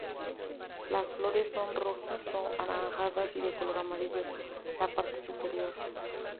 Las flores son rojizo-anaranjadas y de color amarillo la parte superior.